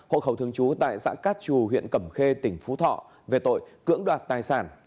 hộ khẩu thường trú tại xã cát trù huyện cẩm khê tỉnh phú thọ về tội cưỡng đoạt tài sản